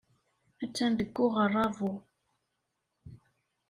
Attan deg uɣerrabu.